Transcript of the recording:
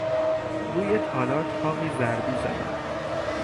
روی تالار تاقی ضربی زدن